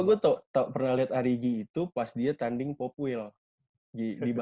gue tau pernah lihat ari gini itu pas dia tandingnya di uph ya enggak enggak gue tahu pas di uph ya